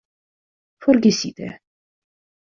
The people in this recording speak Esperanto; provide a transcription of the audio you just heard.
Forgesite...